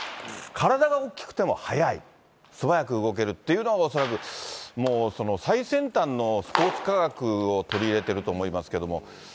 体が大きくても速い、素早く動けるというのを、恐らくもう、最先端のスポーツ科学を取り入れていると思いますけれども。